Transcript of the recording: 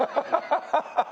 アハハハハ！